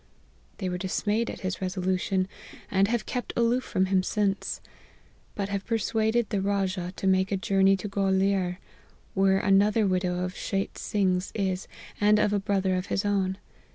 They were dismayed at his resolution, and have kept aloof from him since ; but have persuaded the Rajah to make a journey to Gualier, where another widow of Cheyt Sing's is, and of a brother of his own.